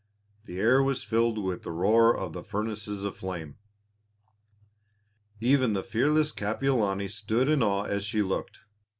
The air was filled with the roar of the furnaces of flame. Even the fearless Kapiolani stood in awe as she looked.